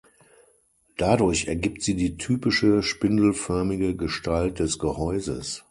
Dadurch ergibt sie die typische spindelförmige Gestalt des Gehäuses.